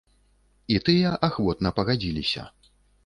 І тыя ахвотна пагадзіліся.